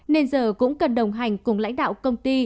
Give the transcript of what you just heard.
nên giờ cũng cần đồng hành cùng lãnh đạo công ty